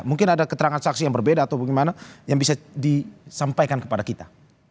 mungkin ada keterangan saksi yang berbeda atau bagaimana yang bisa disampaikan kepada kita